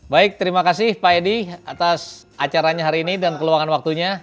baik terima kasih pak edi atas acaranya hari ini dan keluangan waktunya